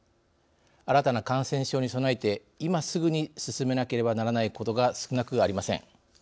新たな感染症に備えて今すぐに進めなければならないことが少なくありません。